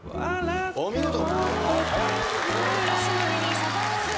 お見事。